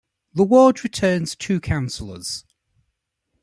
The ward returns two councillors.